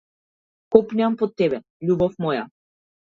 Копнеам по тебе, љубов моја.